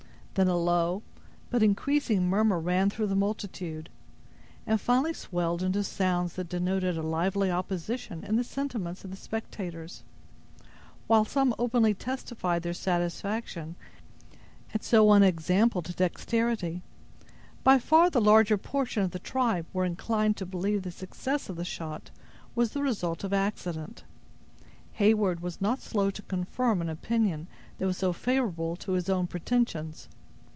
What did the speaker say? Then a low, but increasing murmur, ran through the multitude, and finally swelled into sounds that denoted a lively opposition in the sentiments of the spectators. While some openly testified their satisfaction at so unexampled dexterity, by far the larger portion of the tribe were inclined to believe the success of the shot was the result of accident. Heyward was not slow to confirm an opinion that was so favorable to his own pretensions.